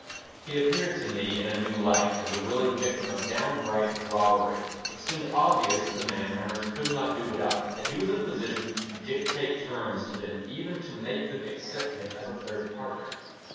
He appeared to me in a new light, as the willing victim of downright robbery. It seemed obvious that the Manheimers could not do without him, that he was in a position to dictate terms to them, even to make them accept him as a third partner.